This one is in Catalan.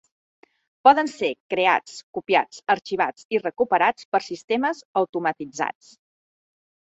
Poden ser creats, copiats, arxivats i recuperats per sistemes automatitzats.